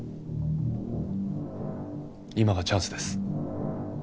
今がチャンスです。